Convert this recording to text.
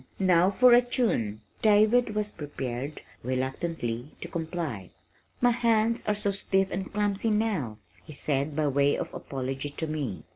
now for a tune," David was prepared, reluctantly, to comply. "My hands are so stiff and clumsy now," he said by way of apology to me.